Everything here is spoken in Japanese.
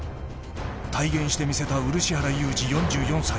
体現して見せた漆原裕治４４歳。